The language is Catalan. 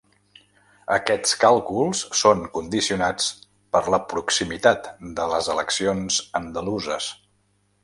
Aquests càlculs són condicionats per la proximitat de les eleccions andaluses.